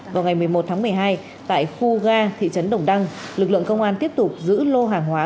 vào ngày một mươi một tháng một mươi hai tại khu ga thị trấn đồng đăng lực lượng công an tiếp tục giữ lô hàng hóa